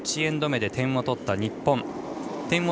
１エンド目で点を取った日本。